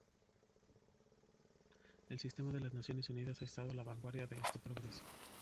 El sistema de las Naciones Unidas ha estado a la vanguardia de este progreso.